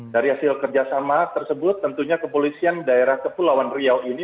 dari hasil kerjasama tersebut tentunya kepolisian daerah kepulauan riau ini